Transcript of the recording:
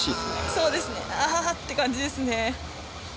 そうですねあぁって感じですね。